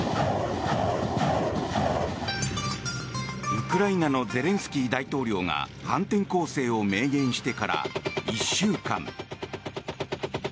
ウクライナのゼレンスキー大統領が反転攻勢を明言してから１週間。